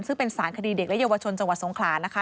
ซึ่งเป็นสารคดีเด็กและเยาวชนจังหวัดสงขลานะคะ